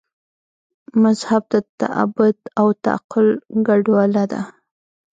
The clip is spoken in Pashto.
مذهب د تعبد او تعقل ګډوله ده.